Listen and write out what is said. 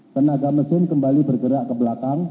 tenaga mesin kembali bergerak ke belakang